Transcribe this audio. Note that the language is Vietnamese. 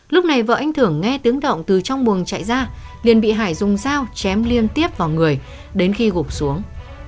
lúc này vợ anh thưởng nghe tiếng động từ trong buồng chạy ra liền bị hải dùng dao chém liên tiếp vào người đến khi gục xuống